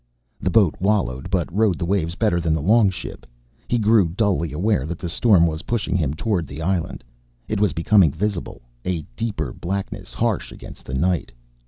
The boat wallowed, but rode the waves better than the longship. He grew dully aware that the storm was pushing him toward the island. It was becoming visible, a deeper blackness harsh against the night.